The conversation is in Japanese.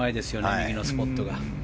右のスポットが。